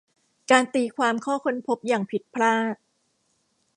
การตีความข้อค้นพบอย่างผิดพลาด